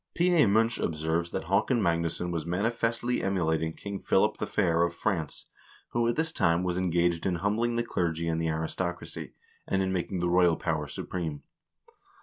P, A. Munch observes that Haakon Magnusson was manifestly emulating King Philip the Fair of France, who, at this time, was engaged in humbling the clergy and the aristocracy, and in making the royal power supreme.